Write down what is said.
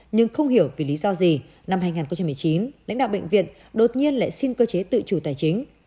nhưng không hiểu vì lý do gì năm hai nghìn một mươi chín lãnh đạo bệnh viện đột nhiên lại xin cơ chế tự chủ tài chính